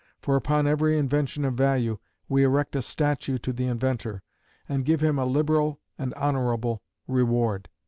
For upon every invention of value, we erect a statue to the inventor, and give him a liberal and honourable reward.